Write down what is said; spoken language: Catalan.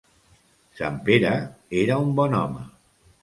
Sant Pere era bon home.